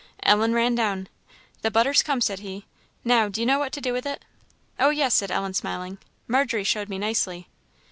Ellen ran down. "The butter's come," said he. "Now, do you know what to do with it?" "Oh, yes," said Ellen, smiling; "Margery showed me nicely."